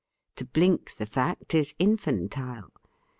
To blink the fact is in fantile.